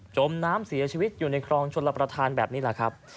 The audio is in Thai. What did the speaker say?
มน้ำเสียชีวิตอยู่ในคลองชนรับประทานแบบนี้แหละครับ